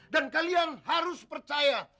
dan kalian harus percaya